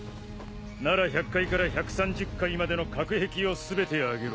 なら１００階から１３０階までの隔壁を全て上げろ。